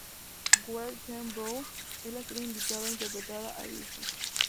Wren T. Brown es la estrella invitada interpretando a Virgil.